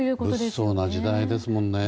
物騒な時代ですものね。